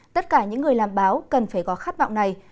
tất cả những người làm báo cần phải có khát vọng này